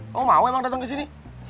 kamu mau emang datang ke sini